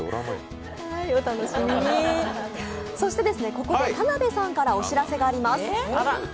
ここで田辺さんからお知らせがあります。